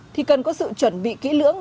thì cần có sự chuẩn bị kỹ lưỡng